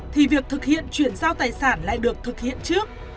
thì việc thực hiện chuyển giao tài sản lại được thực hiện trước